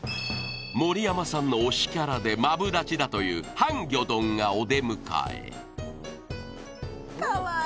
盛山さんの推しキャラでマブダチだというハンギョドンがお出迎えかわいい！